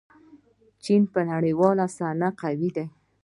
چین په نړیواله صحنه کې قوي دی.